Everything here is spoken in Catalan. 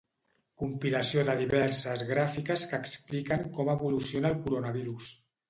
Compilació de diverses gràfiques que expliquen com evoluciona el coronavirus.